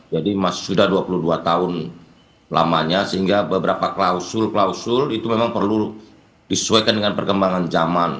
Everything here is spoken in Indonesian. jadi masih sudah dua puluh dua tahun lamanya sehingga beberapa klausul klausul itu memang perlu disesuaikan dengan perkembangan zaman